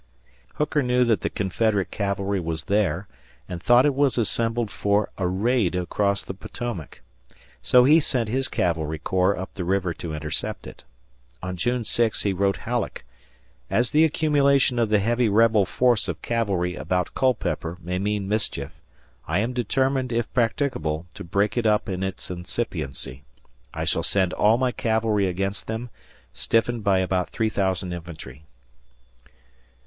Hooker knew that the Confederate cavalry was there and thought it was assembled for a raid across the Potomac. So he sent his cavalry corps up the river to intercept it. On June 6 he wrote Halleck: "As the accumulation of the heavy rebel force of cavalry about Culpeper may meanmischief, I am determined, if practicable, to break it up in its incipiency. I shall send all my cavalry against them, stiffened by about 3000 infantry."